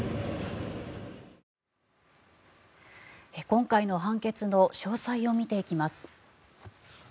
今回の判決の詳細を見ていきます。